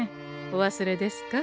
お忘れですか？